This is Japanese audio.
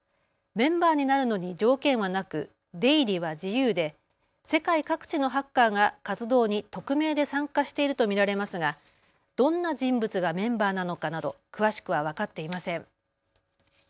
メンバーになるのに条件はなく出入りは自由で世界各地のハッカーが活動に匿名で参加していると見られますがどんな人物がメンバーなのかなど詳しくは分かっていません。